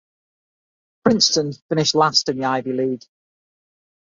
Princeton finished last in the Ivy League.